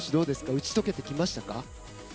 打ち解けてきましたか？